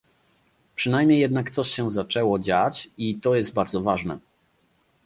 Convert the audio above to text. Przynajmniej jednak coś się zaczęło dziać i to jest bardzo ważne